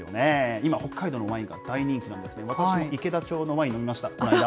今、北海道のワインが大人気なんですが、私も池田町のワイン飲みました、この間。